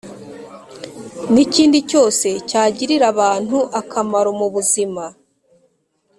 n’ikindi cyose cyagirira abantu akamaro mu buzima.